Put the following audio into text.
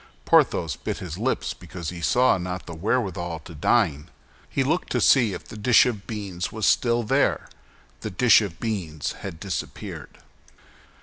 Porthos bit his lips because he saw not the wherewithal to dine. He looked to see if the dish of beans was still there; the dish of beans had disappeared.